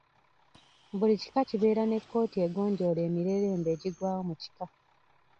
Buli kika kibeere ne kkooti egonjoola emirerembe egigwawo mu kika.